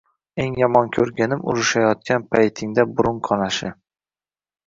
Eng yomon koʻrganim – urishayotgan paytingda burun qonashi.